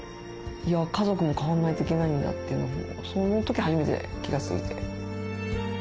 家族も変わんないといけないんだというのをその時初めて気が付いて。